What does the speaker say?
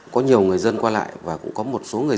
có nhiều người dân qua lại và cũng có một số người